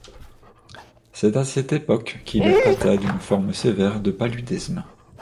C'est à cette époque qu'il est atteint d'une forme sévère de paludisme.